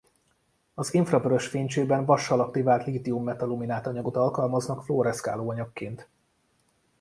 Az infravörös fénycsőben vassal aktivált lítium-metaluminát anyagot alkalmaznak fluoreszkáló anyagként.